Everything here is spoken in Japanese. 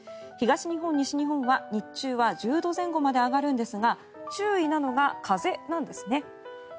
東日本、西日本は日中は１０度前後まで上がるんですが注意なのが風なんですね。